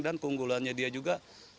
dan keunggulannya dia juga